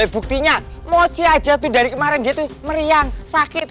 buktinya mochi aja tuh dari kemarin dia tuh meriang sakit